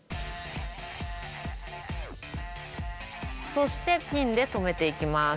そしてピンで留めていきます。